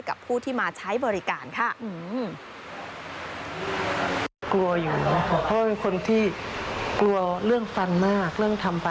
กับผู้ที่มาใช้บริการค่ะ